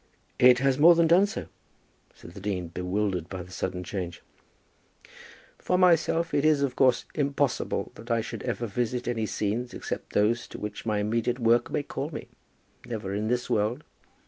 "It has more than done so," said the dean, bewildered by the sudden change. "For myself, it is, of course, impossible that I should ever visit any scenes except those to which my immediate work may call me, never in this world.